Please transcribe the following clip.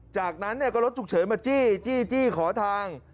จากนั้นก็รถฉุกเฉินมาจี้จี้ขอทาง